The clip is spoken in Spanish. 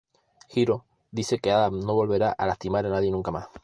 Hiro dice que Adam "no volverá a lastimar a nadie nunca más".